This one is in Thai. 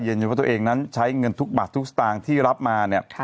อยู่ว่าตัวเองนั้นใช้เงินทุกบัตรทุกสตางค์ที่รับมาเนี่ย